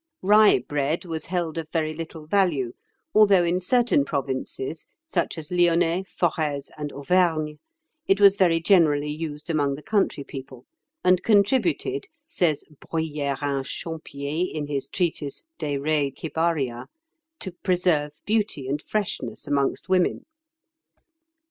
Rye bread was held of very little value, although in certain provinces, such as Lyonnais, Forez, and Auvergne, it was very generally used among the country people, and contributed, says Bruyérin Champier in his treatise "De re Cibaria," to "preserve beauty and freshness amongst women."